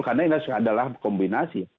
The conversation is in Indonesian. karena ini adalah kombinasi